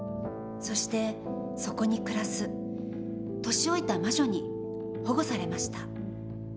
そしてそこに暮らす年老いた魔女に保護されました。